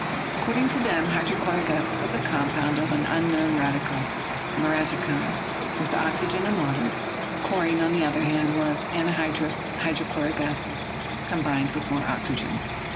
According to them, hydrochloric acid was a compound of an unknown radical, "muriaticum," with oxygen and water; chlorine, on the other hand, was anhydrous hydro chloric acid combined with more oxygen.